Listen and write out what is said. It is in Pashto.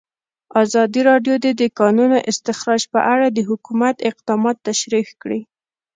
ازادي راډیو د د کانونو استخراج په اړه د حکومت اقدامات تشریح کړي.